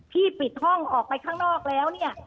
ปิดห้องออกไปข้างนอกแล้วเนี่ย